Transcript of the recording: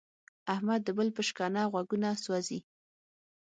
احمد د بل په شکنه غوږونه سوزي.